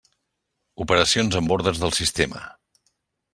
Operacions amb ordres del sistema.